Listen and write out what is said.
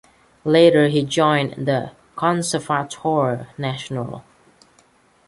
Later he joined the "Conservatoire National".